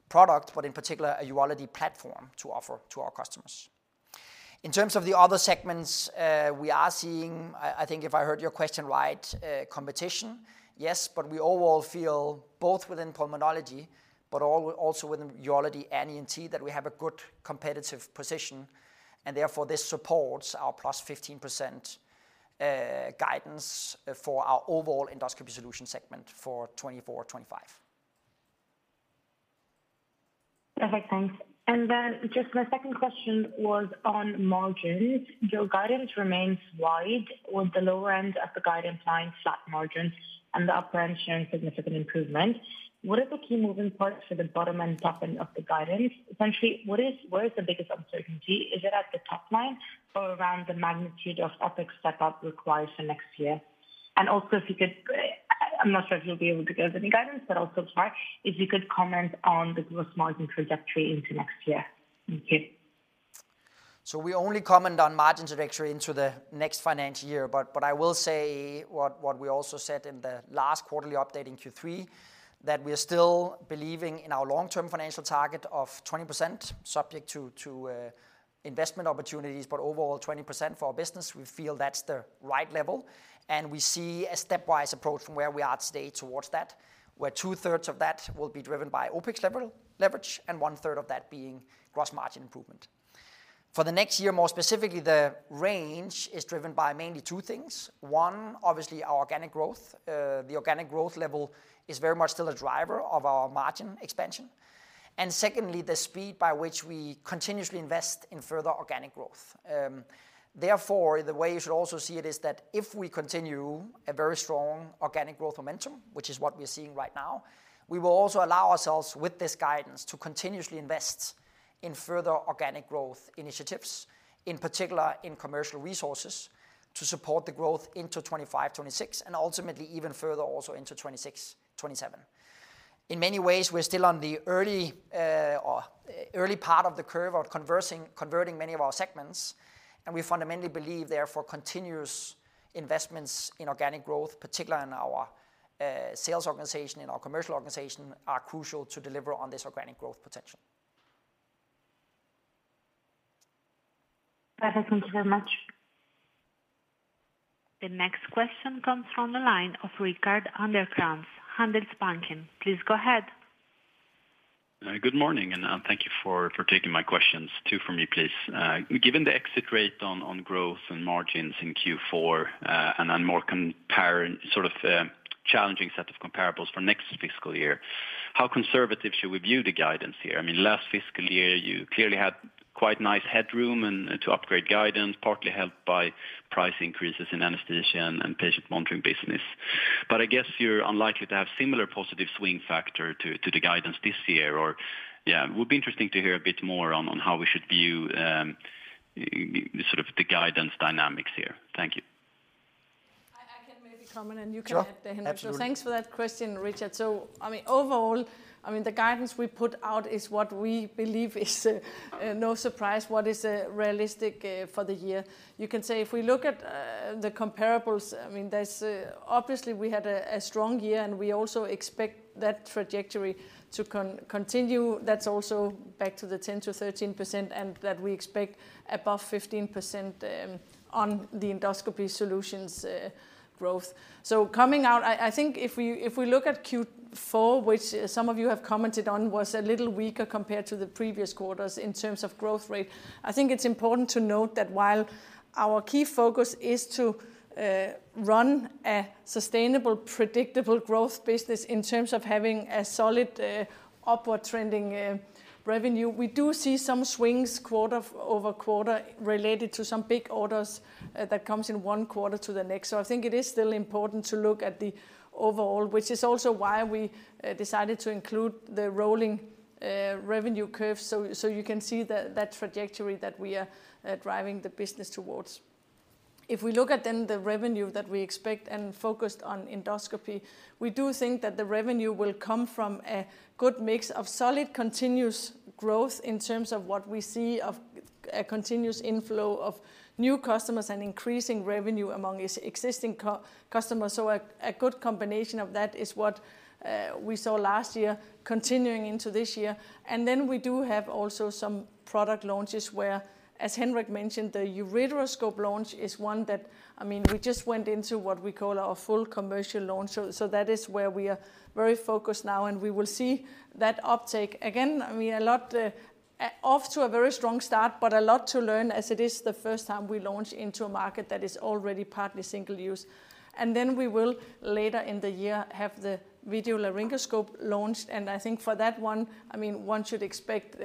Speaker 2: product, but in particular, a urology platform to offer to our customers. In terms of the other segments we are seeing, I think if I heard your question right, competition, yes, but we overall feel both within pulmonology, but also within urology and ENT that we have a good competitive position, and therefore this supports our +15% guidance for our overall Endoscopy Solution segment for 2024-2025.
Speaker 4: Perfect, thanks. And then just my second question was on margins. Your guidance remains wide with the lower end of the guidance line flat margin and the upper end showing significant improvement. What are the key moving parts for the bottom and top end of the guidance? Essentially, where is the biggest uncertainty? Is it at the top line or around the magnitude of OPEX step up required for next year? And also, if you could, I'm not sure if you'll be able to give any guidance, but also if you could comment on the gross margin trajectory into next year. Thank you.
Speaker 2: We only comment on margin trajectory into the next financial year, but I will say what we also said in the last quarterly update in Q3, that we are still believing in our long-term financial target of 20%, subject to investment opportunities, but overall 20% for our business. We feel that's the right level, and we see a stepwise approach from where we are today towards that, where 2/3 of that will be driven by OPEX leverage and one third of that being gross margin improvement. For the next year, more specifically, the range is driven by mainly two things. One, obviously our organic growth. The organic growth level is very much still a driver of our margin expansion. And secondly, the speed by which we continuously invest in further organic growth. Therefore, the way you should also see it is that if we continue a very strong organic growth momentum, which is what we are seeing right now, we will also allow ourselves with this guidance to continuously invest in further organic growth initiatives, in particular in commercial resources to support the growth into 2025-2026 and ultimately even further also into 2026-2027. In many ways, we're still on the early part of the curve of converting many of our segments, and we fundamentally believe therefore continuous investments in organic growth, particularly in our sales organization, in our commercial organization, are crucial to deliver on this organic growth potential.
Speaker 4: Perfect, thank you very much.
Speaker 3: The next question comes from the line of Rickard Anderkrans, Handelsbanken. Please go ahead.
Speaker 5: Good morning, and thank you for taking my questions. Two for me, please. Given the exit rate on growth and margins in Q4 and a more sort of challenging set of comparables for next fiscal year, how conservative should we view the guidance here? I mean, last fiscal year, you clearly had quite nice headroom to upgrade guidance, partly helped by price increases in Anesthesia and Patient Monitoring business. But I guess you're unlikely to have similar positive swing factor to the guidance this year, or yeah, it would be interesting to hear a bit more on how we should view sort of the guidance dynamics here. Thank you.
Speaker 1: I can maybe comment, and you can add to Handelsbanken’s question. Thanks for that question, Rickard. So I mean, overall, I mean, the guidance we put out is what we believe is no surprise, what is realistic for the year. You can say if we look at the comparables, I mean, obviously we had a strong year, and we also expect that trajectory to continue. That's also back to the 10%-13%, and that we expect above 15% on the Endoscopy Solutions growth. So, coming out, I think if we look at Q4, which some of you have commented on, was a little weaker compared to the previous quarters in terms of growth rate. I think it's important to note that while our key focus is to run a sustainable, predictable growth business in terms of having a solid upward trending revenue, we do see some swings quarter-over-quarter related to some big orders that come in one quarter to the next. So, I think it is still important to look at the overall, which is also why we decided to include the rolling revenue curve. So you can see that trajectory that we are driving the business towards. If we look at then the revenue that we expect and focused on endoscopy, we do think that the revenue will come from a good mix of solid continuous growth in terms of what we see of a continuous inflow of new customers and increasing revenue among existing customers. So a good combination of that is what we saw last year continuing into this year. And then we do have also some product launches where, as Henrik mentioned, the ureteroscope launch is one that, I mean, we just went into what we call our full commercial launch. So that is where we are very focused now, and we will see that uptake again. I mean, it's off to a very strong start, but a lot to learn as it is the first time we launch into a market that is already partly single-use. And then we will later in the year have the video laryngoscope launched. And I think for that one, I mean, one should expect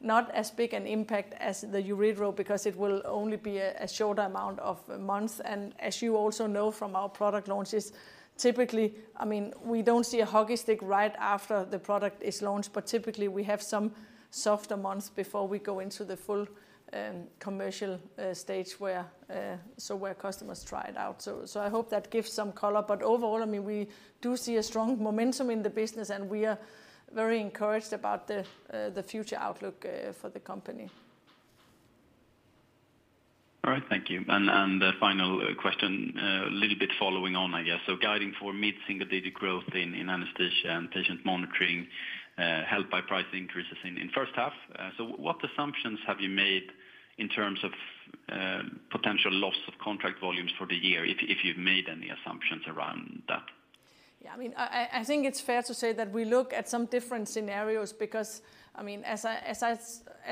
Speaker 1: not as big an impact as the ureteral because it will only be a shorter amount of months. And as you also know from our product launches, typically, I mean, we don't see a hockey stick right after the product is launched, but typically we have some softer months before we go into the full commercial stage where customers try it out. So I hope that gives some color. But overall, I mean, we do see a strong momentum in the business, and we are very encouraged about the future outlook for the company.
Speaker 5: All right, thank you. And the final question, a little bit following on, I guess. So guiding for mid-single digit growth in Anesthesia and Patient Monitoring helped by price increases in first half. So what assumptions have you made in terms of potential loss of contract volumes for the year, if you've made any assumptions around that?
Speaker 1: Yeah, I mean, I think it's fair to say that we look at some different scenarios because, I mean, as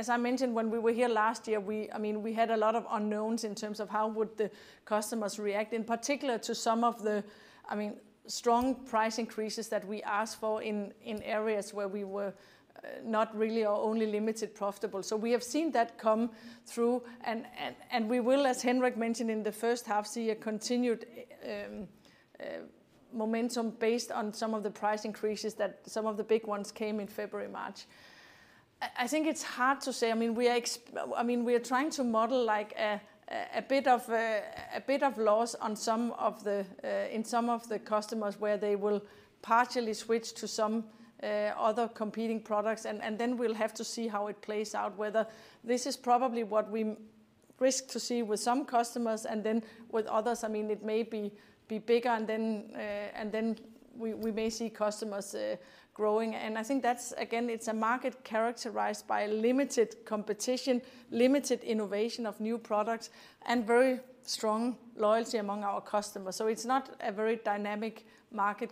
Speaker 1: I mentioned, when we were here last year, I mean, we had a lot of unknowns in terms of how would the customers react, in particular to some of the, I mean, strong price increases that we asked for in areas where we were not really or only limited profitable. So we have seen that come through, and we will, as Henrik mentioned, in the first half see a continued momentum based on some of the price increases that some of the big ones came in February, March. I think it's hard to say. I mean, we are trying to model like a bit of loss in some of the customers where they will partially switch to some other competing products, and then we'll have to see how it plays out, whether this is probably what we risk to see with some customers and then with others. I mean, it may be bigger, and then we may see customers growing, and I think that's, again, it's a market characterized by limited competition, limited innovation of new products, and very strong loyalty among our customers. So it's not a very dynamic market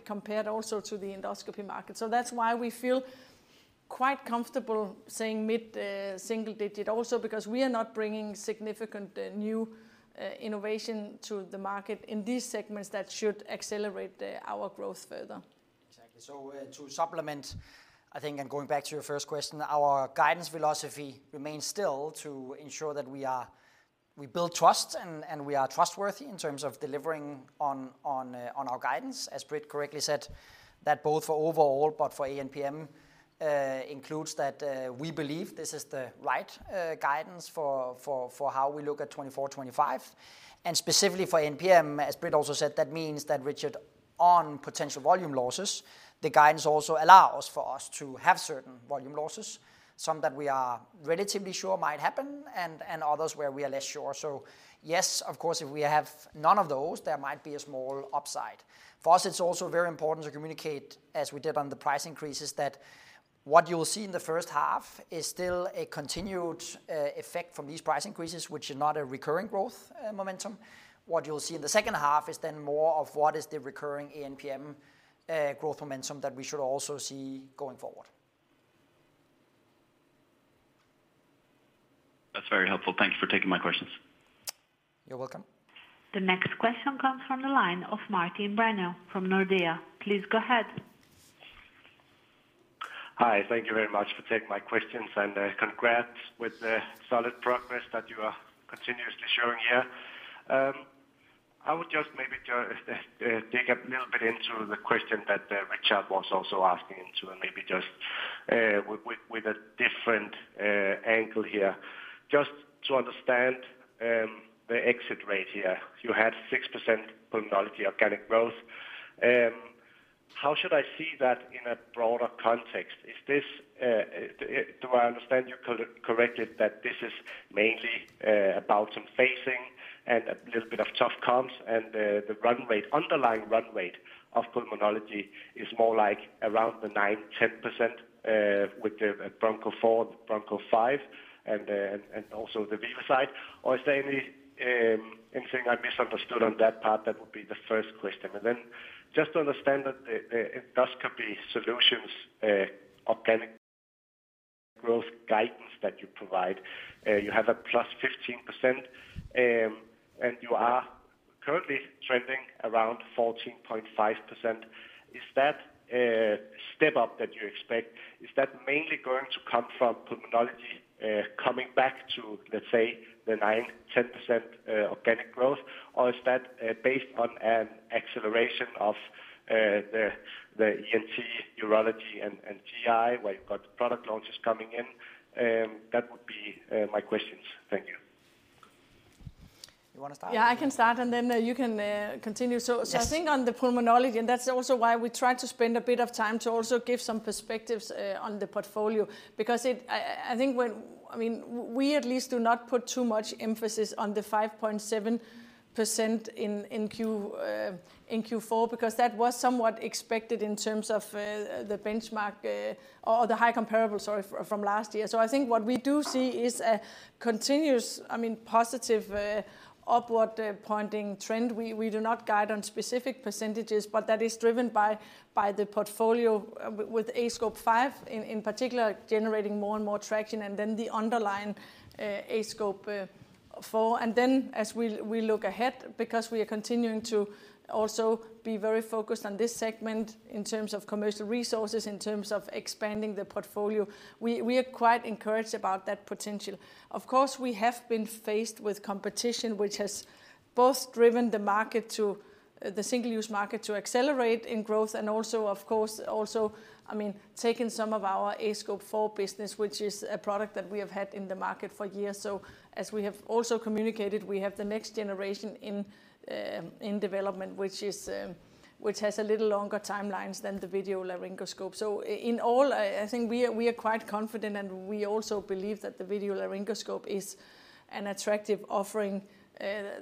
Speaker 1: compared also to the endoscopy market. So that's why we feel quite comfortable saying mid-single-digit also because we are not bringing significant new innovation to the market in these segments that should accelerate our growth further.
Speaker 2: Exactly. So to supplement, I think, and going back to your first question, our guidance philosophy remains still to ensure that we build trust and we are trustworthy in terms of delivering on our guidance. As Britt correctly said, that both for overall, but for ANPM, includes that we believe this is the right guidance for how we look at 2024-2025. And specifically for ANPM, as Britt also said, that means that, Rickard, on potential volume losses, the guidance also allows for us to have certain volume losses, some that we are relatively sure might happen and others where we are less sure. So yes, of course. If we have none of those, there might be a small upside. For us, it's also very important to communicate, as we did on the price increases, that what you'll see in the first half is still a continued effect from these price increases, which is not a recurring growth momentum. What you'll see in the second half is then more of what is the recurring ANPM growth momentum that we should also see going forward.
Speaker 5: That's very helpful. Thank you for taking my questions.
Speaker 2: You're welcome.
Speaker 3: The next question comes from the line of Martin Brenøe from Nordea. Please go ahead.
Speaker 6: Hi, thank you very much for taking my questions and congrats with the solid progress that you are continuously showing here. I would just maybe dig a little bit into the question that Rickard was also asking into and maybe just with a different angle here. Just to understand the exit rate here, you had 6% pulmonology organic growth. How should I see that in a broader context? Do I understand you correctly that this is mainly about some phasing and a little bit of tough comps? And the underlying run rate of pulmonology is more like around the 9%-10% with the Broncho 4, Broncho 5, and also the VivaSight side? Or is there anything I misunderstood on that part that would be the first question? And then just to understand that the Endoscopy Solutions organic growth guidance that you provide, you have +15%, and you are currently trending around 14.5%. Is that step up that you expect, is that mainly going to come from pulmonology coming back to, let's say, the 9%-10% organic growth, or is that based on an acceleration of the ENT, urology, and GI where you've got the product launches coming in? That would be my questions. Thank you.
Speaker 2: You want to start?
Speaker 1: Yeah, I can start, and then you can continue. So I think on the pulmonology, and that's also why we tried to spend a bit of time to also give some perspectives on the portfolio because I think, I mean, we at least do not put too much emphasis on the 5.7% in Q4 because that was somewhat expected in terms of the benchmark or the high comparable, sorry, from last year. So I think what we do see is a continuous, I mean, positive upward pointing trend. We do not guide on specific percentages, but that is driven by the portfolio with aScope 5 in particular generating more and more traction, and then the underlying aScope 4. And then as we look ahead, because we are continuing to also be very focused on this segment in terms of commercial resources, in terms of expanding the portfolio, we are quite encouraged about that potential. Of course, we have been faced with competition, which has both driven the market, the single-use market, to accelerate in growth and also, of course, also. I mean, taken some of our aScope 4 business, which is a product that we have had in the market for years. So as we have also communicated, we have the next generation in development, which has a little longer timelines than the video laryngoscope. So in all, I think we are quite confident, and we also believe that the video laryngoscope is an attractive offering.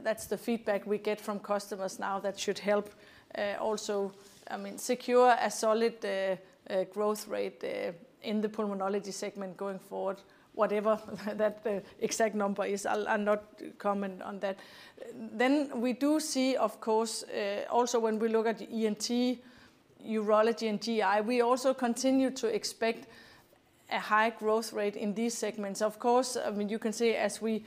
Speaker 1: That's the feedback we get from customers now that should help also, I mean, secure a solid growth rate in the pulmonology segment going forward, whatever that exact number is. I'll not comment on that. Then we do see, of course, also when we look at ENT, urology, and GI, we also continue to expect a high growth rate in these segments. Of course, I mean, you can see as we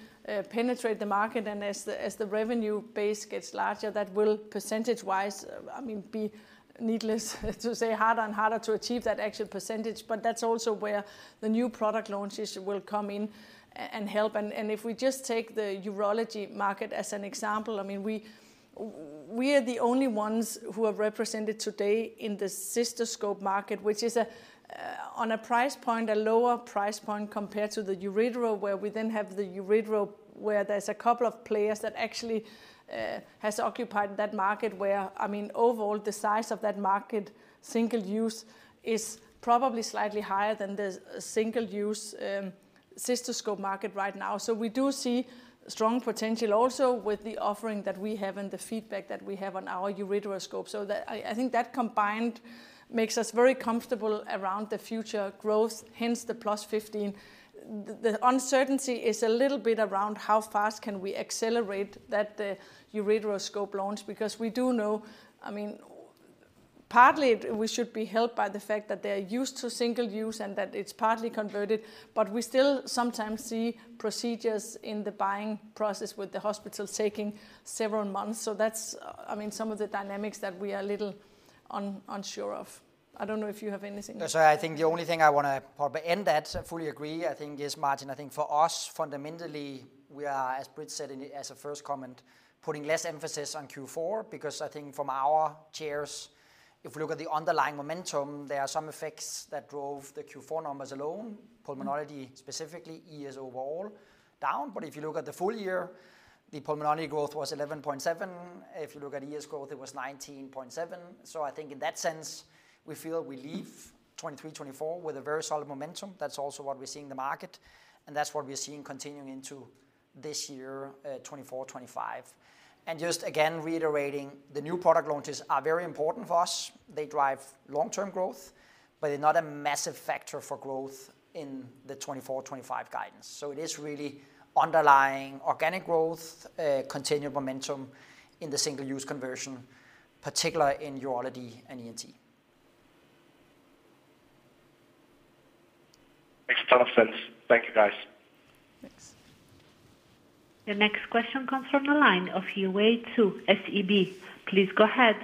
Speaker 1: penetrate the market and as the revenue base gets larger, that will percentage-wise, I mean, be needless to say harder and harder to achieve that actual percentage. But that's also where the new product launches will come in and help. If we just take the urology market as an example, I mean, we are the only ones who are represented today in the cystoscope market, which is on a price point, a lower price point compared to the ureteral, where we then have the ureteral where there's a couple of players that actually have occupied that market where, I mean, overall, the size of that market, single use, is probably slightly higher than the single use cystoscope market right now. So we do see strong potential also with the offering that we have and the feedback that we have on our ureteroscope. So I think that combined makes us very comfortable around the future growth, hence the +15. The uncertainty is a little bit around how fast can we accelerate that ureteroscope launch because we do know, I mean, partly we should be helped by the fact that they're used to single-use and that it's partly converted, but we still sometimes see procedures in the buying process with the hospitals taking several months. So that's, I mean, some of the dynamics that we are a little unsure of. I don't know if you have anything.
Speaker 2: So, I think the only thing I want to probably end at, I fully agree, I think is, Martin, I think for us, fundamentally, we are, as Britt said in the first comment, putting less emphasis on Q4 because I think from our chairs, if we look at the underlying momentum, there are some effects that drove the Q4 numbers alone, pulmonology specifically, ES overall down. But if you look at the full year, the pulmonology growth was 11.7%. If you look at ES growth, it was 19.7%. So, I think in that sense, we feel we leave 2023, 2024 with a very solid momentum. That's also what we're seeing in the market, and that's what we're seeing continuing into this year, 2024, 2025. And just again, reiterating, the new product launches are very important for us. They drive long-term growth, but they're not a massive factor for growth in the 2024, 2025 guidance, so it is really underlying organic growth, continued momentum in the single-use conversion, particularly in urology and ENT.
Speaker 6: Makes a ton of sense. Thank you, guys.
Speaker 3: The next question comes from the line of Yiwei Zhou, SEB. Please go ahead.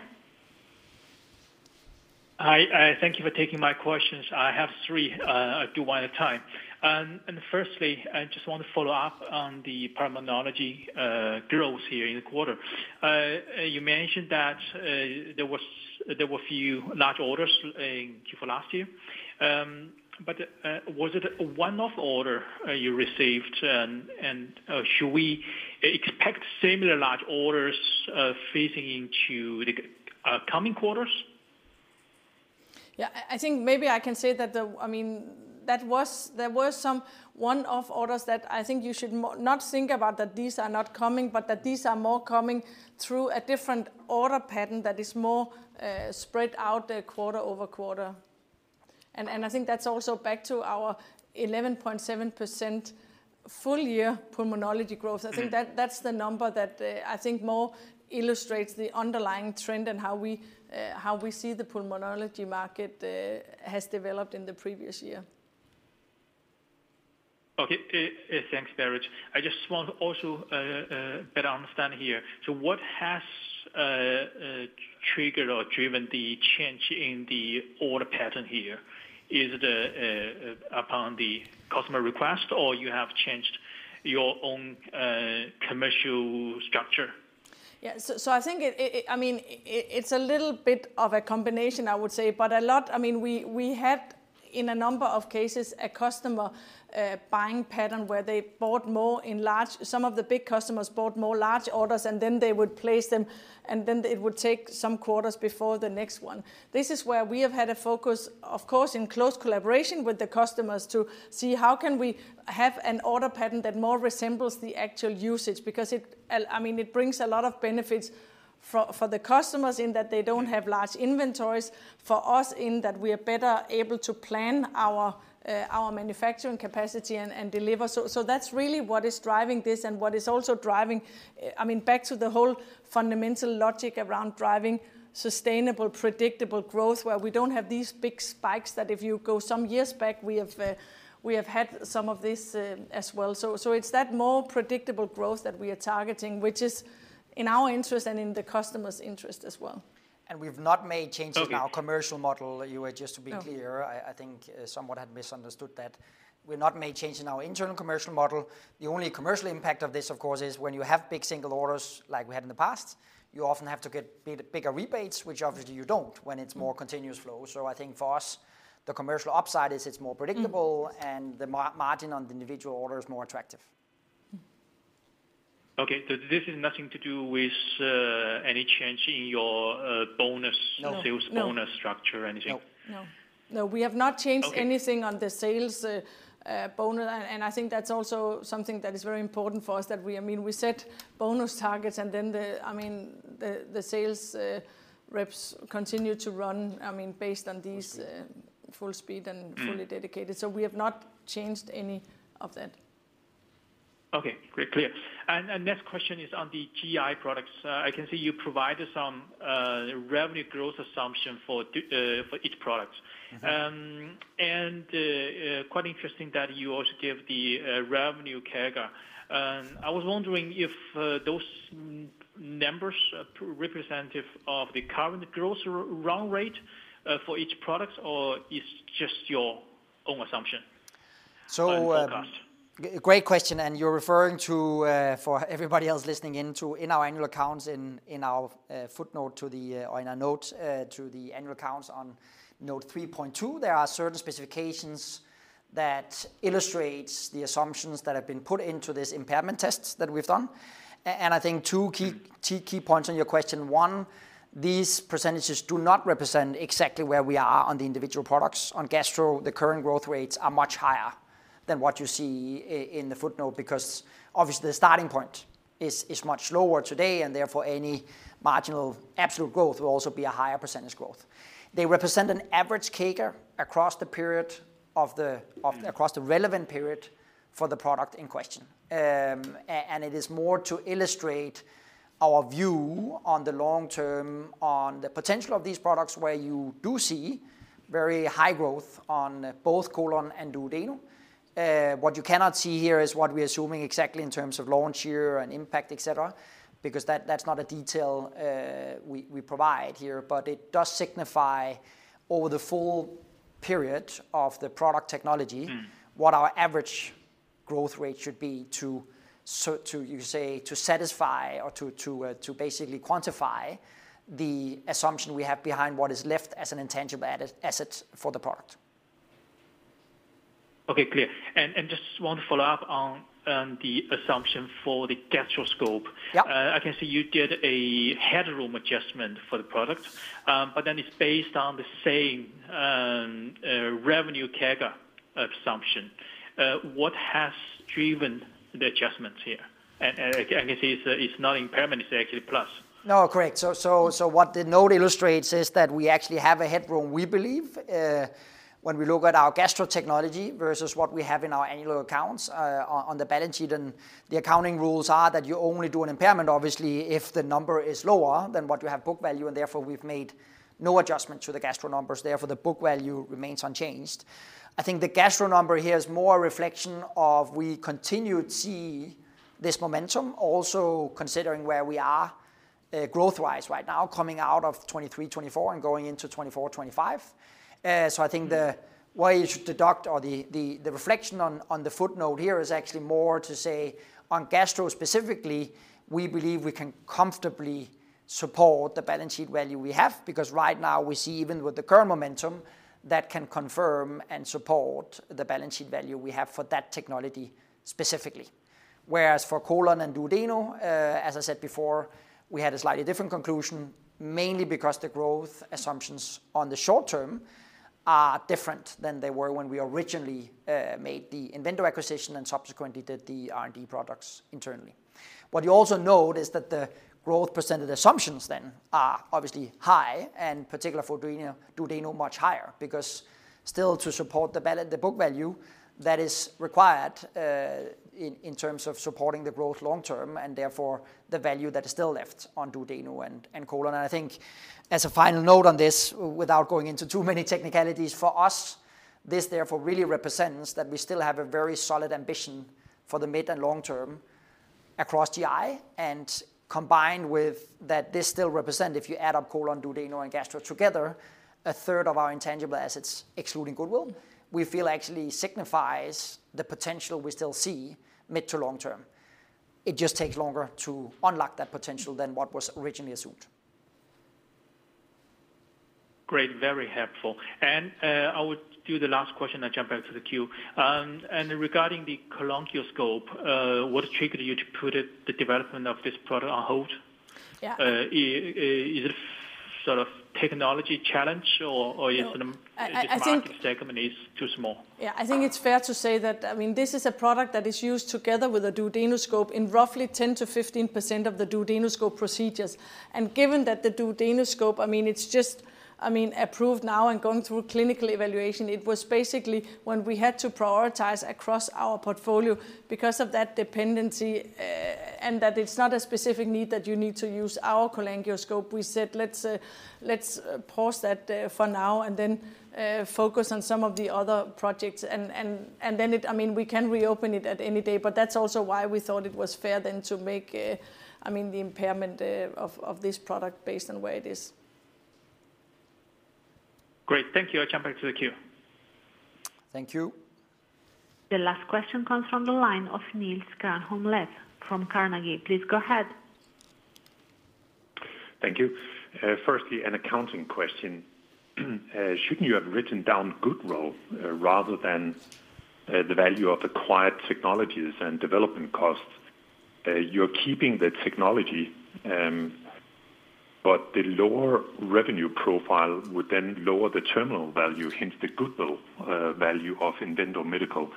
Speaker 7: Hi, thank you for taking my questions. I have three, do one at a time. Firstly, I just want to follow up on the pulmonology growth here in the quarter. You mentioned that there were a few large orders in Q4 last year, but was it a one-off order you received, and should we expect similar large orders phasing into the coming quarters?
Speaker 1: Yeah, I think maybe I can say that. I mean, there were some one-off orders that I think you should not think about, that these are not coming, but that these are more coming through a different order pattern that is more spread out quarter-over-quarter, and I think that's also back to our 11.7% full year pulmonology growth. I think that's the number that I think more illustrates the underlying trend and how we see the pulmonology market has developed in the previous year.
Speaker 7: Okay, thanks, Britt. I just want also better understand here. So what has triggered or driven the change in the order pattern here? Is it upon the customer request, or you have changed your own commercial structure?
Speaker 1: Yeah, so I think, I mean, it's a little bit of a combination, I would say, but a lot. I mean, we had in a number of cases a customer buying pattern where they bought more in large. Some of the big customers bought more large orders, and then they would place them, and then it would take some quarters before the next one. This is where we have had a focus, of course, in close collaboration with the customers to see how can we have an order pattern that more resembles the actual usage because, I mean, it brings a lot of benefits for the customers in that they don't have large inventories for us in that we are better able to plan our manufacturing capacity and deliver. So that's really what is driving this and what is also driving, I mean, back to the whole fundamental logic around driving sustainable predictable growth where we don't have these big spikes that if you go some years back, we have had some of this as well. So it's that more predictable growth that we are targeting, which is in our interest and in the customer's interest as well.
Speaker 2: And we've not made changes in our commercial model, Yiwei, just to be clear. I think someone had misunderstood that. We've not made changes in our internal commercial model. The only commercial impact of this, of course, is when you have big single orders like we had in the past, you often have to get bigger rebates, which obviously you don't when it's more continuous flow. So I think for us, the commercial upside is it's more predictable and the margin on the individual order is more attractive.
Speaker 7: Okay, so this is nothing to do with any change in your bonus, sales bonus structure or anything?
Speaker 1: No, no. No, we have not changed anything on the sales bonus, and I think that's also something that is very important for us that we, I mean, we set bonus targets and then, I mean, the sales reps continue to run, I mean, based on these full speed and fully dedicated. So we have not changed any of that.
Speaker 7: Okay, very clear. And next question is on the GI products. I can see you provided some revenue growth assumption for each product. And quite interesting that you also give the revenue CAGR. I was wondering if those numbers are representative of the current growth run rate for each product or it's just your own assumption?
Speaker 2: Great question. You're referring to, for everybody else listening in, in our annual accounts in our footnote to the, or in our note to the annual accounts on Note 3.2, there are certain specifications that illustrate the assumptions that have been put into this impairment test that we've done. I think two key points on your question. One, these percentages do not represent exactly where we are on the individual products. On Gastro, the current growth rates are much higher than what you see in the footnote because obviously the starting point is much lower today. And therefore any marginal absolute growth will also be a higher percentage growth. They represent an average CAGR across the period of the relevant period for the product in question. And it is more to illustrate our view on the long term on the potential of these products where you do see very high growth on both Colon and Duodeno. What you cannot see here is what we're assuming exactly in terms of launch year and impact, etc., because that's not a detail we provide here, but it does signify over the full period of the product technology what our average growth rate should be to, you say, to satisfy or to basically quantify the assumption we have behind what is left as an intangible asset for the product.
Speaker 7: Okay, clear, and just want to follow up on the assumption for the gastroscope. I can see you did a headroom adjustment for the product, but then it's based on the same revenue CAGR assumption. What has driven the adjustments here? I can see it's not impairment, it's actually plus.
Speaker 2: No, correct. So what the note illustrates is that we actually have a headroom, we believe, when we look at our Gastro technology versus what we have in our annual accounts on the balance sheet. And the accounting rules are that you only do an impairment, obviously, if the number is lower than what you have book value, and therefore we've made no adjustment to the Gastro numbers. Therefore, the book value remains unchanged. I think the Gastro number here is more a reflection of we continue to see this momentum, also considering where we are growth-wise right now, coming out of 2023, 2024 and going into 2024, 2025. So I think the way you should deduct or the reflection on the footnote here is actually more to say on Gastro specifically. We believe we can comfortably support the balance sheet value we have because right now we see even with the current momentum that can confirm and support the balance sheet value we have for that technology specifically. Whereas for Colon and Duodeno, as I said before, we had a slightly different conclusion, mainly because the growth assumptions on the short term are different than they were when we originally made the Invendo acquisition and subsequently did the R&D products internally. What you also note is that the growth percentage assumptions then are obviously high, and particularly for Duodeno, much higher because still to support the book value that is required in terms of supporting the growth long term and therefore the value that is still left on Duodeno and Colon, and I think as a final note on this. Without going into too many technicalities, for us, this therefore really represents that we still have a very solid ambition for the mid and long term across GI and combined with that this still represents, if you add up Colon, Duodeno, and Gastro together, a third of our intangible assets, excluding goodwill, we feel actually signifies the potential we still see mid to long term. It just takes longer to unlock that potential than what was originally assumed.
Speaker 7: Great, very helpful. And I would do the last question and jump back to the queue. And regarding the colonoscope, what triggered you to put the development of this product on hold? Is it sort of technology challenge or is it the product segment is too small?
Speaker 1: Yeah, I think it's fair to say that, I mean, this is a product that is used together with a duodenoscope in roughly 10%-15% of the duodenoscope procedures. And given that the duodenoscope, I mean, it's just, I mean, approved now and going through clinical evaluation, it was basically when we had to prioritize across our portfolio because of that dependency and that it's not a specific need that you need to use our cholangioscope. We said, let's pause that for now and then focus on some of the other projects. And then it, I mean, we can reopen it at any day, but that's also why we thought it was fair then to make, I mean, the impairment of this product based on where it is.
Speaker 7: Great, thank you. I'll jump back to the queue.
Speaker 2: Thank you.
Speaker 3: The last question comes from the line of Niels Granholm-Leth from Carnegie. Please go ahead.
Speaker 8: Thank you. Firstly, an accounting question. Shouldn't you have written down goodwill rather than the value of acquired technologies and development costs? You're keeping the technology, but the lower revenue profile would then lower the terminal value, hence the goodwill value of Invendo Medical.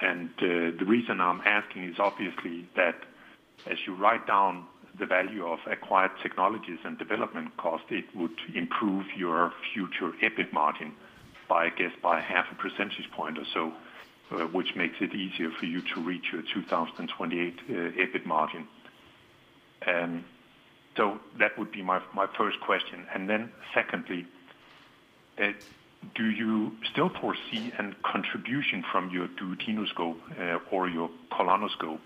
Speaker 8: And the reason I'm asking is obviously that as you write down the value of acquired technologies and development costs, it would improve your future EBIT margin by, I guess, by half a percentage point or so, which makes it easier for you to reach your 2028 EBIT margin. So that would be my first question. And then secondly, do you still foresee a contribution from your duodenoscope or your colonoscope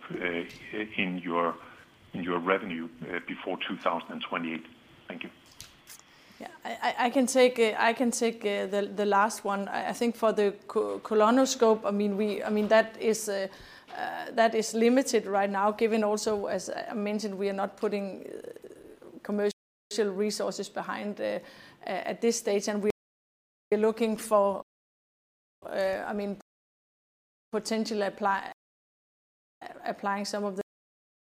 Speaker 8: in your revenue before 2028? Thank you.
Speaker 1: Yeah, I can take the last one. I think for the colonoscope, I mean, that is limited right now, given also, as I mentioned, we are not putting commercial resources behind at this stage, and we are looking for, I mean, potentially applying some of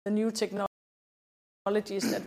Speaker 1: the new technologies that.